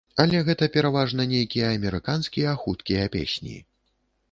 Але гэта пераважна нейкія амерыканскія хуткія песні.